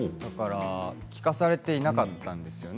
聞かされていなかったんですよね